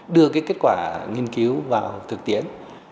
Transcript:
đưa cái kết quả nghiên cứu vào thực tiễn